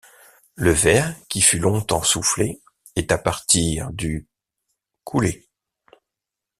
Le verre, qui fut longtemps soufflé, est à partir du coulé.